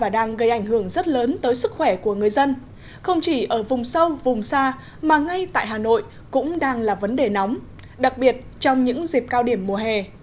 đặc biệt trong những dịp cao điểm mùa hè